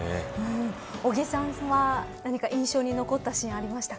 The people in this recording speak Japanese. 尾木さんは何か印象に残ったシーンはありましたか。